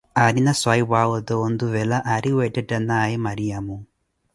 Árina swahiphuʼawe oto wontuvela âri wiitthiwaaye Mariamo.